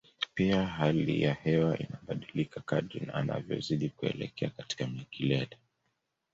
Pia hali ya hewa inabadilika kadri anavyozidi kuelekea katika kilele